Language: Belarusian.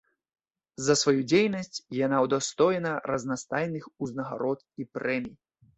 За сваю дзейнасць яна ўдастоена разнастайных узнагарод і прэмій.